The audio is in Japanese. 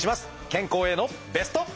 健康へのベスト。